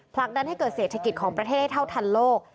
ผลักดันให้เกิดเศรษฐกิจของประเทศเท่าทันโลก